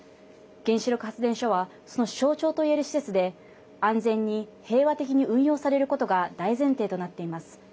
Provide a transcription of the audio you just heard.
原子力発電所はその象徴といえる施設で安全に平和的に運用されることが大前提となっています。